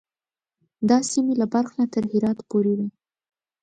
دا سیمې له بلخ نه تر هرات پورې وې.